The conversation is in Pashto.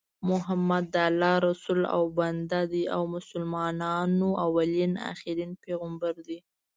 محمد د الله رسول او بنده دي او مسلمانانو اولين اخرين پیغمبر دي